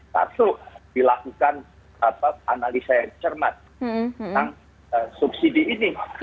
satu dilakukan analisa yang cermat tentang subsidi ini